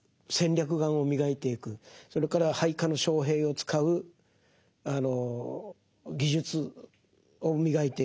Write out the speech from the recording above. それから配下の将兵を使う技術を磨いていく。